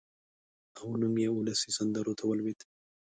او نوم یې اولسي سندرو ته ولوېد.